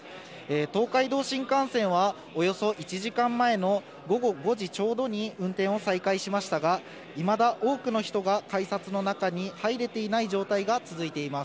東海道新幹線は、およそ１時間前の午後５時ちょうどに運転を再開しましたが、いまだ、多くの人が改札の中に入れていない状態が続いています。